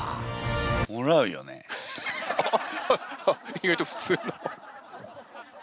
意外と普通の。